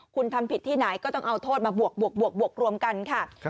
คุณทำผิดที่ไหนก็ต้องเอาโทษมาบวกรวมกันค่ะ